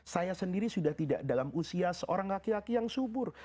saya sendiri sudah tidak dalam usia seorang laki laki yang subur